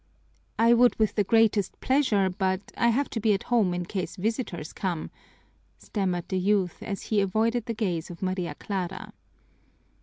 "I would with the greatest pleasure, but I have to be at home in case visitors come," stammered the youth, as he avoided the gaze of Maria Clara.